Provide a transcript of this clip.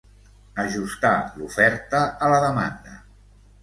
Ajustar l’oferta a la demanda.